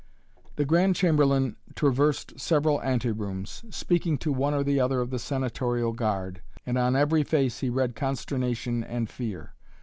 The Grand Chamberlain traversed several anterooms, speaking to one or the other of the senatorial guard, and on every face he read consternation and fear.